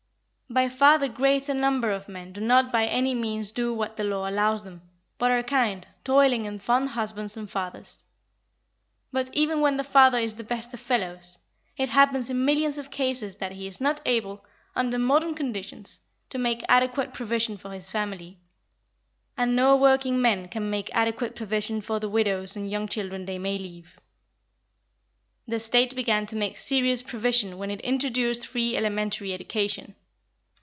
By far the greater number of men do not by any means do what the law allows them, but are kind, toiling and fond husbands and fathers. But even when the father is the best of fellows, it happens in millions of cases that he is not able, under modern conditions, to make adequate provision for his family, and no working men can make adequate provision for the widows and young children they may leave. The State began to make serious provision when it introduced free elementary education.